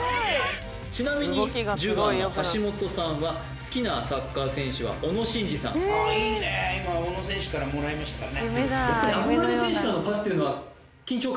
ちなみに１０番の橋本さんは好きなサッカー選手は小野伸二さんああいいね今の小野選手からもらいましたからね